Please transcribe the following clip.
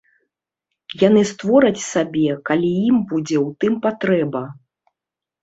Яны створаць сабе, калі ім будзе ў тым патрэба.